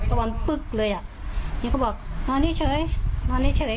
ก็ว่าพึกเลยอ่ะอย่างนี้เขาบอกนอนนี่เฉยนอนนี่เฉย